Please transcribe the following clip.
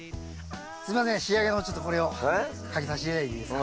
すみません仕上げのこれをかけさせていただいていいですか。